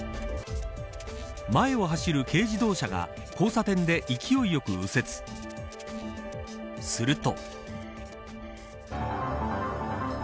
前を走る軽自動車が交差点で勢いよく右折すると。